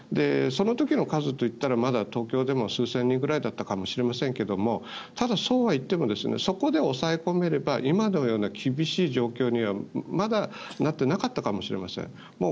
その時の数といったらまだ東京でも数千人ぐらいだったかもしれませんがただ、そうはいってもそこで抑え込めれば今のような厳しい状況にはまだなっていなかったかもしれません。